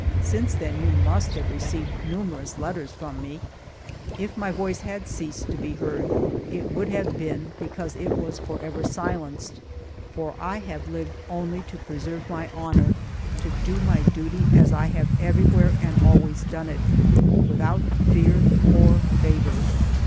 Since then you must have received numerous letters from me. " If my voice had ceased to be heard, it would have been because it was forever silenced, for I have lived only to preserve my honor, to do my duty as I have everywhere and always done it, without fear or favor.